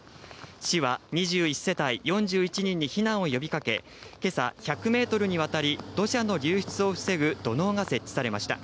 市は、２１世帯４１人に避難を呼びかけ、けさ、１００メートルにわたり、土砂の流出を防ぐ土のうが設置されました。